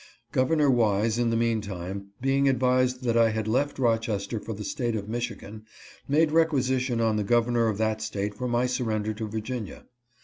Gov ernor Wise, in the meantime, being advised that I had left Rochester for the State of Michigan, made requisition on the governor of that State for my surrender to Virginia.